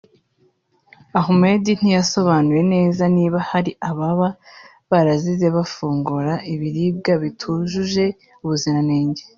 Ahmed ntiyasobanuye neza niba hari ababa barazize gufungura ibiribwa bitujuje ubuziranenge